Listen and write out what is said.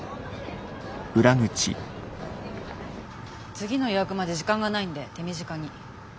次の予約まで時間ないんで手短に。